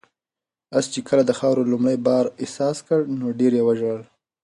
آس چې کله د خاورو لومړی بار احساس کړ نو ډېر یې وژړل.